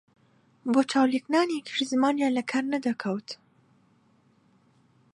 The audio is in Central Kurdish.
بۆ چاو لێکنانێکیش زمانیان لە کار نەدەکەوت